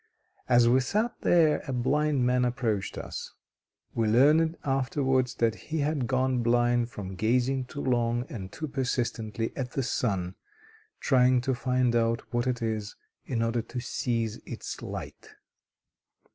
As we sat there, a blind man approached us. We learned afterwards that he had gone blind from gazing too long and too persistently at the sun, trying to find out what it is, in order to seize its light.